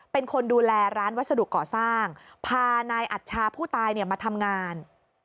เป็นคนดูแลร้านวัสดุก่อสร้างพานายอัชชาผู้ตายมาทำงาน